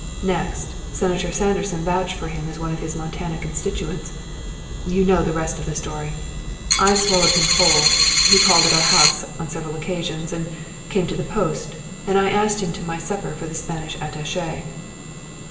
Next, Senator Sanderson vouched for him as one of his Montana constituents. You know the rest of the story. I swallowed him whole; he called at our house on several occasions, and came to the post, and I asked him to my supper for the Spanish attaché."